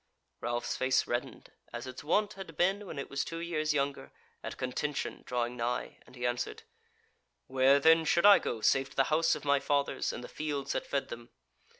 Ralph's face reddened, as its wont had been when it was two years younger, at contention drawing nigh, and he answered: "Where then should I go save to the House of my Fathers, and the fields that fed them?